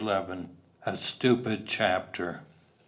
A STUPID CHAPTER.